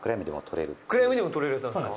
暗闇でも撮れるやつなんですか？